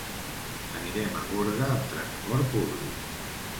Anirem a Gorga amb transport públic.